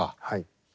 はい。